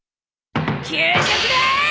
給食だ！